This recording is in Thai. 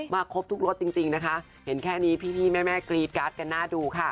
มาครบทุกรถจริงจริงนะคะเห็นแค่นี้พี่พี่แม่แม่กรีดการ์ดกันหน้าดูค่ะ